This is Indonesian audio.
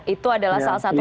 itu adalah salah satu